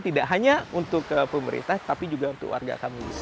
tidak hanya untuk pemerintah tapi juga untuk warga kami